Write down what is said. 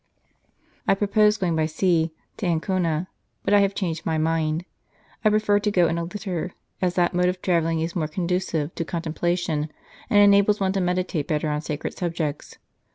... I proposed going by sea to Ancona, but I have changed my mind. ... I prefer to go in a litter, as that mode of 201 St. Charles Borromeo travelling is more conducive to contemplation, and enables one to meditate better on sacred subjects.